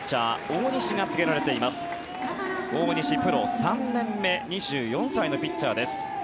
大西、プロ３年目２４歳のピッチャーです。